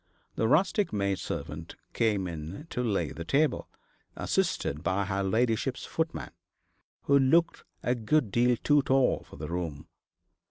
The rustic maid servant came in to lay the table, assisted by her ladyship's footman, who looked a good deal too tall for the room.